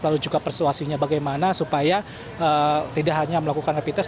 lalu juga persuasinya bagaimana supaya tidak hanya melakukan rapid test